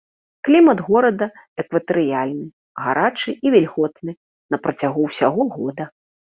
Клімат горада экватарыяльны, гарачы і вільготны на працягу ўсяго года.